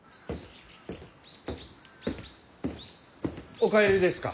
お帰りですか？